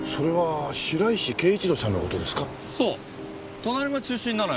隣町出身なのよ。